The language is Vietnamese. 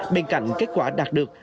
bên cạnh kết quả đạt được